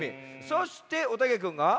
そしておたけくんが。